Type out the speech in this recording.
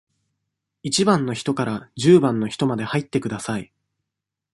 一番の人から十番の人まで入ってください。